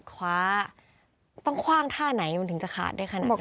คว้าต้องคว่างท่าไหนมันถึงจะขาดได้ขนาดนี้